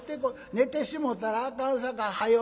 寝てしもたらあかんさかい早よ